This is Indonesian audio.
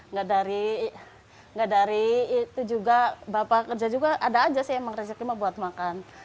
nggak dari itu juga bapak kerja juga ada aja sih emang rezeki mah buat makan